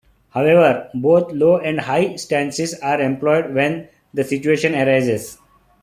However, both low and high stances are employed when the situation arises.